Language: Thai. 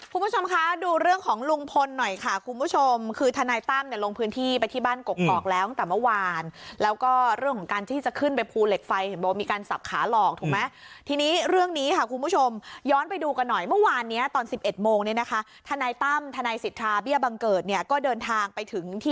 คุณผู้ชมคะดูเรื่องของลุงพลหน่อยค่ะคุณผู้ชมคือทนายตั้มเนี่ยลงพื้นที่ไปที่บ้านกกอกแล้วตั้งแต่เมื่อวานแล้วก็เรื่องของการที่จะขึ้นไปภูเหล็กไฟเห็นบอกว่ามีการสับขาหลอกถูกไหมทีนี้เรื่องนี้ค่ะคุณผู้ชมย้อนไปดูกันหน่อยเมื่อวานเนี้ยตอนสิบเอ็ดโมงเนี่ยนะคะทนายตั้มทนายสิทธาเบี้ยบังเกิดเนี่ยก็เดินทางไปถึงที่